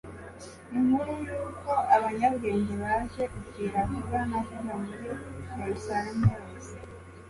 Inkuru y'uko abanyabwenge baje, ikwira vuba na vuba muri Yerusalemu yose.